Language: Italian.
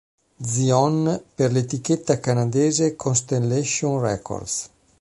Zion per l'etichetta canadese Constellation Records.